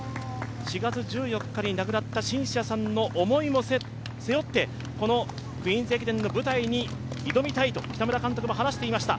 ４月１４日に亡くなったシンシアさんの思いも背負ってクイーンズ駅伝の舞台に行きたいと北村監督も話していました、